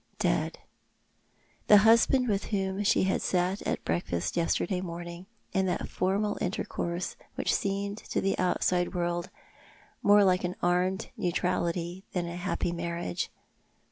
Dead! The husband with whom she had sat at breakfast yesterday morning, in that formal intercourse which seemed to the outside world more like an armed neutrality than a happy marriage.